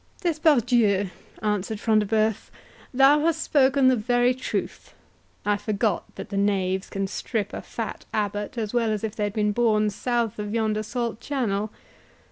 "'Despardieux'," answered Front de Bœuf, "thou hast spoken the very truth—I forgot that the knaves can strip a fat abbot, as well as if they had been born south of yonder salt channel.